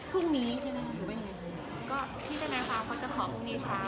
พี่จันได้ทาพอเพราะจะขอพรุ่งนี้เช้า